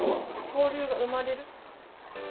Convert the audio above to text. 交流が生まれる。